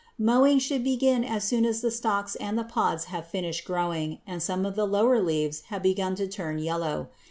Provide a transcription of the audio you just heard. Mowing should begin as soon as the stalks and the pods have finished growing and some of the lower leaves have begun to turn yellow.